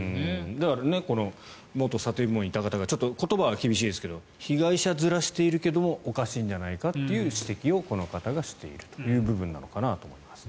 だから元査定部門にいた方が言葉は厳しいですけど被害者面しているけどおかしいんじゃないかという指摘をこの方がしているという部分なのかなと思います。